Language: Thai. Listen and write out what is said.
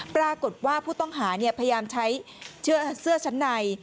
ปรากฏว่าผู้ต้องหาพยายามใช้เสื้อชั้นใน